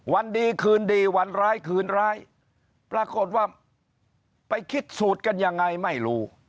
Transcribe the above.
วันดีคืนดีวันร้ายคืนร้ายปรากฏว่าไปคิดสูตรกันยังไงไม่รู้